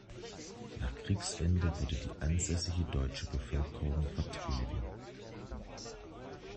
Nach Kriegsende wurde die ansässige deutsche Bevölkerung vertrieben.